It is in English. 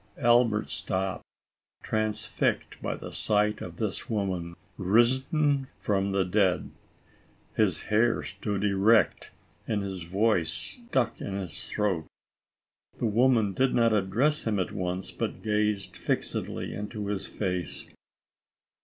Albert stopped, transfixed by the sight of this woman risen from the dead. " His hair stood erect and his voice stuck in his throat.'* The woman did not address him at once, but gazed fixedly into his face.